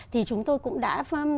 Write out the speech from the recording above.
thì chúng tôi cũng đã